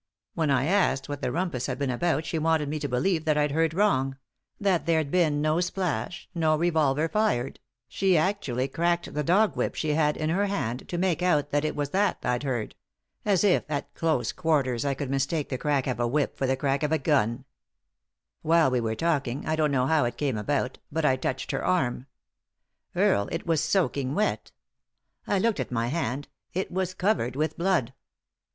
When I asked what the rumpus had been about she wanted me to believe that I'd heard wrong ; that there' d been no splash, no revolver fired — she actually cracked the dog whip she had in her hand to make out that it was that I'd heard — as if, at close quarters, I could mistake the crack of a whip for the crack of a gun I While we were talking, I don't know how it came about, but I touched her arm. Earle, it was soaking wet 1 I looked at my hand — it was covered with blood.